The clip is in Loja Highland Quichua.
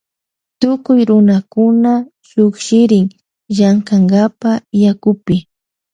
Tukuy runakuna llukshirin llankankapa yakupi.